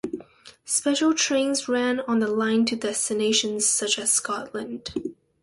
Special trains ran on the line to destinations such as Scotland.